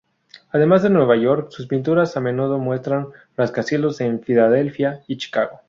Además de Nueva York, sus pinturas a menudo muestran rascacielos en Filadelfia y Chicago.